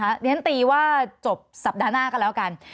เพราะฉะนั้นตีว่าจบสัปดาห์หน้ากันแล้วกัน